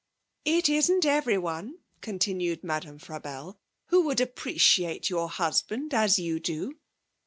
'It isn't everyone,' continued Madame Frabelle, 'who would appreciate your husband as you do.